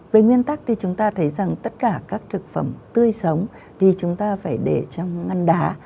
về nguyên tắc thì chúng ta thấy rằng tất cả các thực phẩm tươi sống thì chúng ta phải để trong ngăn đá